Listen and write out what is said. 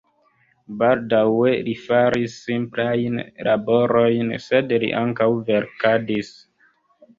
Baldaŭe li faris simplajn laborojn, sed li ankaŭ verkadis.